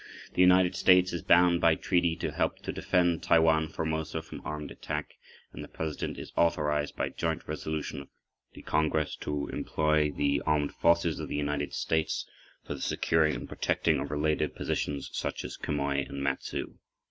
The United States is bound by treaty to help to defend Taiwan (Formosa) from armed attack and the President is authorized by joint resolution of the Congress to employ the Armed Forces of the United States for the securing and protecting of related positions such as Quemoy and Matsu.